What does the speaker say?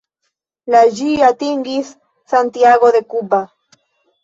La ĝi atingis Santiago de Cuba.